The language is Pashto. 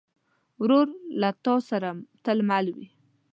ورور له تا سره تل مل وي.